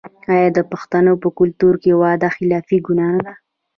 آیا د پښتنو په کلتور کې وعده خلافي ګناه نه ده؟